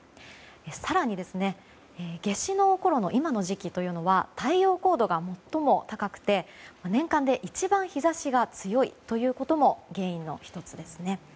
更に夏至のころの今の時期というのは、太陽高度が最も高くて年間で一番日差しが強いということも原因の１つです。